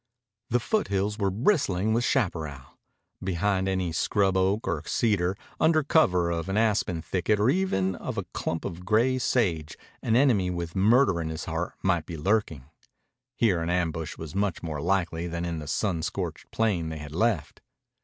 The foothills were bristling with chaparral. Behind any scrub oak or cedar, under cover of an aspen thicket or even of a clump of gray sage, an enemy with murder in his heart might be lurking. Here an ambush was much more likely than in the sun scorched plain they had left.